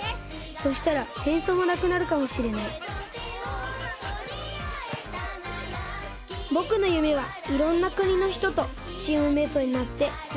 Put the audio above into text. そしたらせんそうもなくなるかもしれないぼくのゆめはいろんなくにのひととチームメートになってよ